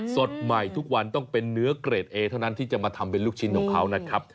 สดใหม่ทุกวันต้องเป็นเนื้อเกรดเอเท่านั้นที่จะมาทำเป็นลูกชิ้นของเขานะครับ